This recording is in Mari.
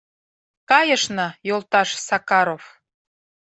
Кайышна, йолташ Сакаров.